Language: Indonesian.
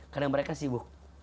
kadang mereka sibuk